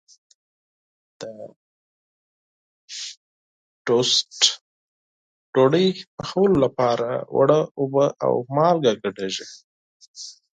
د ټوسټ ډوډۍ پخولو لپاره اوړه اوبه او مالګه ګډېږي.